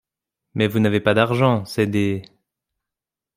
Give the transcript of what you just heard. Mais vous n’avez pas d’argent, c’est des…